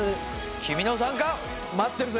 君の参加待ってるぜ。